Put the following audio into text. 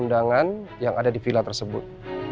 undangan yang ada di villa tersebut